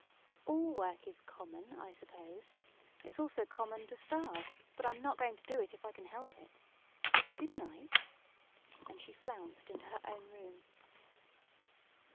"All work is 'common,' I suppose. It's also common to starve but I'm not going to do it if I can help it. Good night!" and she flounced into her own room.